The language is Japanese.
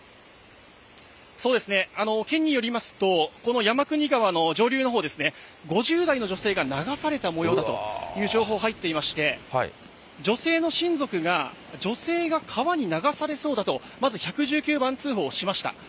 そうですね、県によりますと、この山国川の上流のほうですね、５０代の女性が流されたもようだという情報入っていまして、女性の親族が、女性が川に流されそうだとまず１１９番通報しました。